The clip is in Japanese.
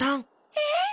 えっ？